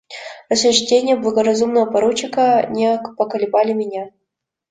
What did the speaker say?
Рассуждения благоразумного поручика не поколебали меня.